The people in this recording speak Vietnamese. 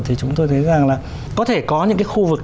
thì chúng tôi thấy rằng là có thể có những cái khu vực